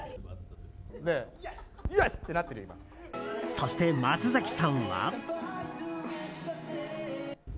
そして、松崎さんは。